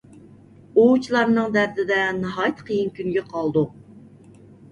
ئوۋچىلارنىڭ دەردىدە ناھايىتى قىيىن كۈنگە قالدۇق.